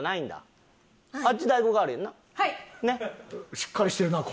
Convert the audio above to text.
しっかりしてるな声。